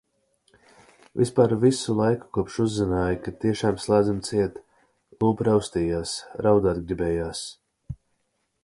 Vispār visu laiku kopš uzzināju, ka tiešām slēdzam ciet, lūpa raustījās, raudāt gribējās.